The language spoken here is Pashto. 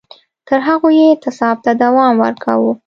تر هغو یې اعتصاب ته دوام ورکاوه